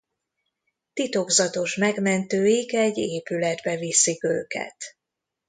Titokzatos megmentőik egy épületbe viszik őket.